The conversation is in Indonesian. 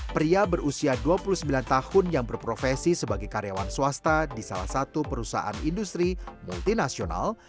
pria berusia dua puluh sembilan tahun yang berprofesi sebagai karyawan swasta di salah satu perusahaan industri multinasional